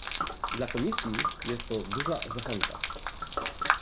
Dla Komisji jest to duża zachęta